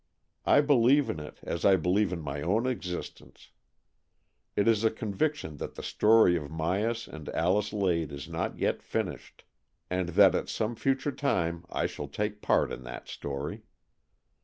I believe in it, as I believe in my own exist ence. It is a conviction that the story of Myas and Alice Lade is not yet finished, and that at some future time I shall take part in that story.